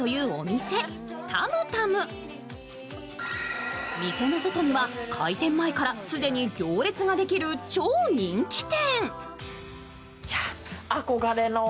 店の外には開店前からすでに行列ができる超人気店。